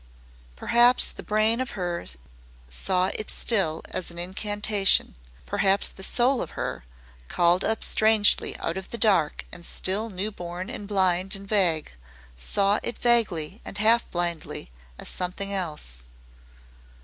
Perhaps the brain of her saw it still as an incantation, perhaps the soul of her, called up strangely out of the dark and still new born and blind and vague, saw it vaguely and half blindly as something else.